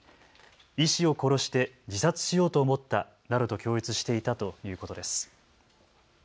医師を殺して自殺しようと思ったなどと供述していたということです。